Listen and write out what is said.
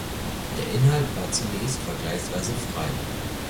Der Inhalt war zwar zunächst vergleichsweise frei.